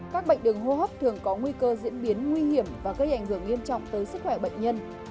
các bệnh đường hô hấp thường có nguy cơ diễn biến nguy hiểm và gây ảnh hưởng nghiêm trọng tới sức khỏe bệnh nhân